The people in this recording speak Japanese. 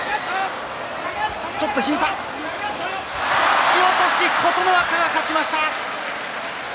突き落とし琴ノ若が勝ちました。